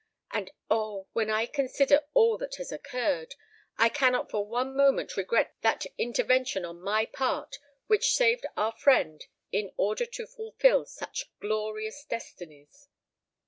And, oh! when I consider all that has occurred, I cannot for one moment regret that intervention on my part which saved our friend in order to fulfil such glorious destinies!"